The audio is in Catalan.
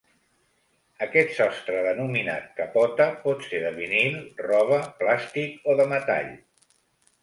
Aquest sostre, denominat capota, pot ser de vinil, roba, plàstic o de metall.